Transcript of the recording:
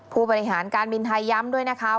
ผู้บริหารการบินไทยย้ำด้วยนะคะ